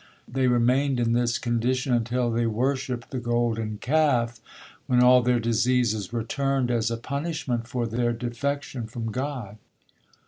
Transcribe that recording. They remained in this condition until they worshipped the Golden Calf, when all their diseases returned as a punishment for their defection from God.